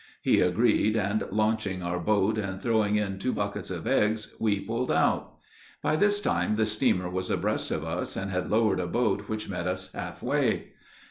He agreed, and, launching our boat and throwing in two buckets of eggs, we pulled out. By this time the steamer was abreast of us, and had lowered a boat which met us half way.